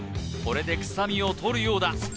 これで臭みを取るようだ